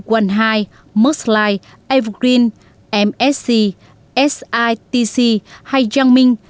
quần hai merslai evergreen msc sitc hay jiangming